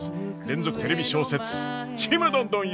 連続テレビ小説「ちむどんどん」